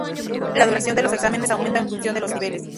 La duración de los exámenes aumenta en función de los niveles.